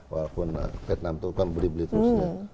walaupun vietnam itu kan beli beli terus ya